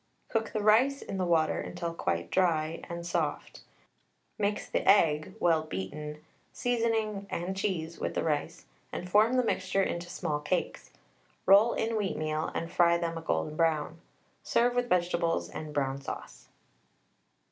Cook the rice in the water until quite dry and soft, mix the egg well beaten seasoning, and cheese with the rice, and form the mixture into small cakes. Roll in wheatmeal, and fry them a golden brown. Serve with vegetables and brown sauce.